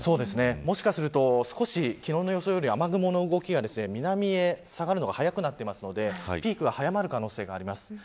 もしかすると昨日の予想より雨雲の動きが南へ下がるのが早くなってるんでピークが早まる可能性があります。